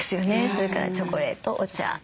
それからチョコレートお茶。